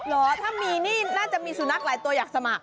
เหรอถ้ามีนี่น่าจะมีสุนัขหลายตัวอยากสมัคร